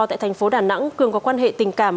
tại thành phố đà nẵng cường có quan hệ tình cảm